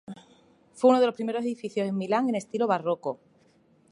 Fue uno de los primeros edificios en Milán en estilo barroco.